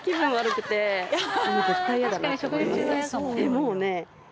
もうね